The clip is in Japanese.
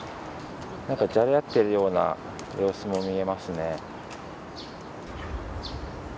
なんかじゃれ合っているような様子も見えますね。